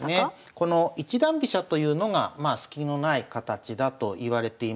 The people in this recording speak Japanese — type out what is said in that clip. この一段飛車というのがスキのない形だといわれています。